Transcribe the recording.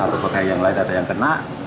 atau pegawai yang lain ada yang kena